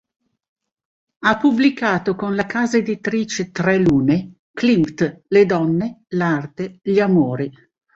Ha pubblicato con la Casa Editrice Tre Lune "Klimt, le donne, l'arte, gli amori".